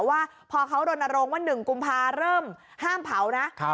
ว่าพอเขารณรงค์ว่า๑กุมภาเริ่มห้ามเผานะ